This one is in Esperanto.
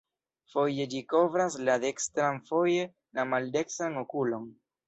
Foje ĝi kovras la dekstran, foje la maldekstran okulon.